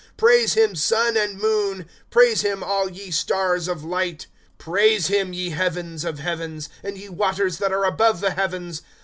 ^ Praise him, sun and moon ; Praise him, all ye stars of light, * Praise him, ye heavens of heavens. And ye waters that are above the heavens.